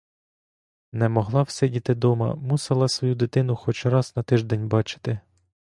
Не могла всидіти дома, мусила свою дитину хоч раз на тиждень бачити.